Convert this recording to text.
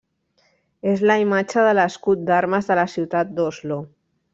És la imatge de l'escut d'armes de la ciutat d'Oslo.